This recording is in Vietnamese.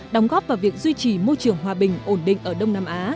đóng góp vào việc duy trì môi trường hòa bình ổn định ở đông nam á